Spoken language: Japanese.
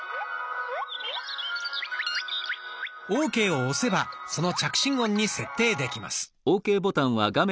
「ＯＫ」を押せばその着信音に設定できます。